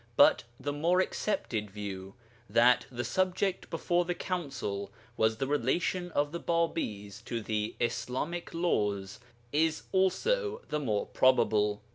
But the more accepted view that the subject before the Council was the relation of the Bābīs to the Islamic laws is also the more probable.